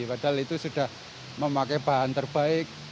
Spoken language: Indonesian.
padahal itu sudah memakai bahan terbaik